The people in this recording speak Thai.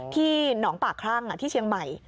ที่หนองปากครั่งที่เชียงใหม่